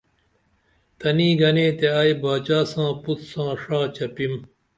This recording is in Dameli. تنی گنے تے ائی باچا ساں پُت ساں ڜا چپیم